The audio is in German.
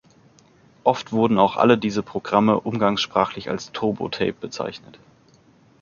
Oft wurden auch alle diese Programme umgangssprachlich als Turbo-Tape bezeichnet.